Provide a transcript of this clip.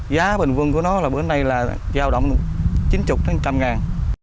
giá bần vương của nó bữa nay là giao động chín mươi một trăm linh ngàn